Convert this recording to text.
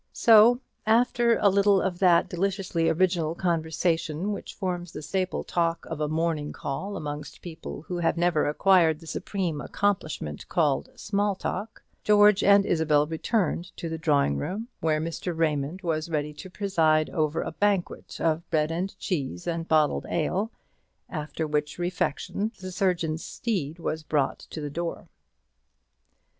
So, after a little of that deliciously original conversation which forms the staple talk of a morning call amongst people who have never acquired the supreme accomplishment called small talk, George and Isabel returned to the drawing room, where Mr. Raymond was ready to preside over a banquet of bread and cheese and bottled ale; after which refection the surgeon's steed was brought to the door.